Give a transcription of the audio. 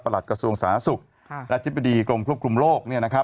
ประหลักกระทรวงสาธารณสุขและจิตปดีกรมคลุมกลุ่มโลก